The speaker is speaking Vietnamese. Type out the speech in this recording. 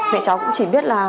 mẹ cháu cũng chỉ biết là